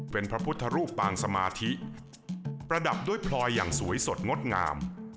เป็นพระพุทธรูปปางสมาธิประดับด้วยพลอยอย่างสวยสดงดงาม